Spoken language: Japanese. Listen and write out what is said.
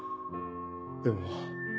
でも。